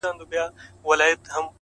ها ښکلې که هر څومره ما وغواړي ـ